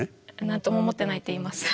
何とも思ってないって言います。